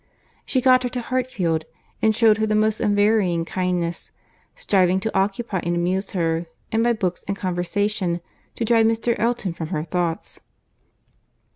She got her to Hartfield, and shewed her the most unvarying kindness, striving to occupy and amuse her, and by books and conversation, to drive Mr. Elton from her thoughts.